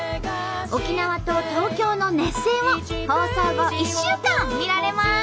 沖縄と東京の熱戦を放送後１週間見られます！